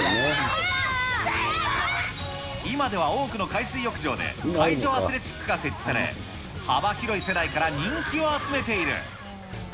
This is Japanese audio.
今では多くの海水浴場で海上アスレチックが設置され、幅広い世代から人気を集めている。